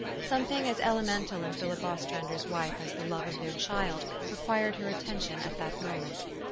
Something as elemental in Philip Ostrander's wife as the love of their child, required her attention at that moment.